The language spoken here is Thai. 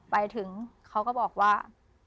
ไปถึงเขาก็บอกว่า